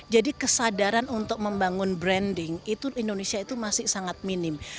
jadi kesadaran untuk membangun branding itu indonesia itu masih sangat minim